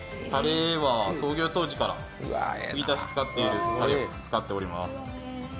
たれは創業当時から継ぎ足し使っているたれを使っております。